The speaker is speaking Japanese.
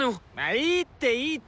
いいっていいって！